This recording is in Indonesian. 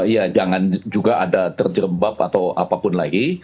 ya jangan juga ada terjerembab atau apapun lagi